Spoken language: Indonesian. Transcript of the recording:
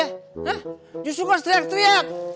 hah justru gue harus teriak teriak